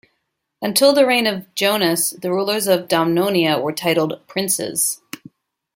Until the reign of Jonas, the rulers of Domnonia were titled princes.